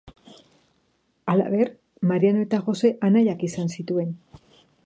Halaber, Mariano eta Jose anaiak izan zituen.